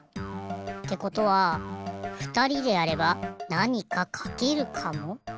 ってことはふたりでやればなにかかけるかも。